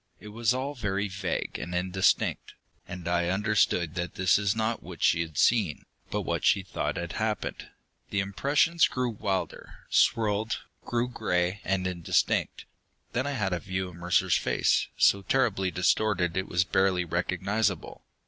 It was all very vague and indistinct, and I understood that this was not what she had seen, but what she thought had happened. The impressions grew wilder, swirled, grew gray and indistinct. Then I had a view of Mercer's face, so terribly distorted it was barely recognizable.